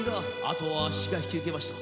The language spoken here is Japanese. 後はあっしが引受けました。